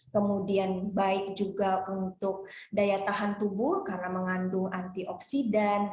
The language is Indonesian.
kemudian baik juga untuk daya tahan tubuh karena mengandung antioksidan